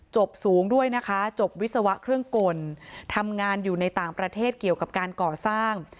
สูงด้วยนะคะจบวิศวะเครื่องกลทำงานอยู่ในต่างประเทศเกี่ยวกับการก่อสร้าง